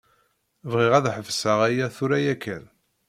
Bɣiɣ ad tḥebseḍ aya tura yakan.